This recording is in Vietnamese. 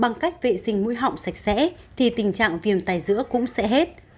trong cách vệ sinh mũi họng sạch sẽ thì tình trạng viêm tay giữa cũng sẽ hết